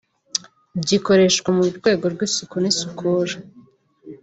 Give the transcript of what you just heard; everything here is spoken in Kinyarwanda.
gikoreshwa mu rwego rw’isuku n’isukura